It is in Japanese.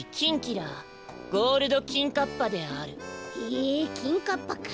へえキンカッパか。